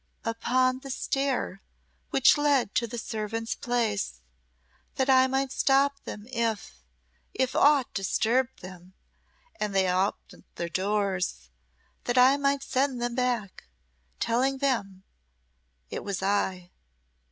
"Upon the stair which led to the servants' place that I might stop them if if aught disturbed them, and they oped their doors that I might send them back, telling them it was I."